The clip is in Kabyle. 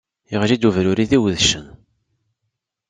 Iɣli-d ubruri d iwedcen.